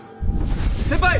先輩！